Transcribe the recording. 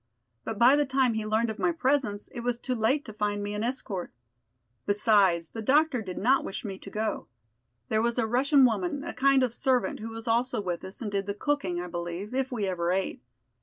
But by the time he learned of my presence, it was too late to find me an escort. Besides, the doctor did not wish me to go. There was a Russian woman, a kind of servant, who was also with us, and did the cooking, I believe, if we ever ate.